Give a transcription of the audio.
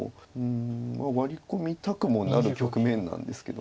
まあワリ込みたくもなる局面なんですけど。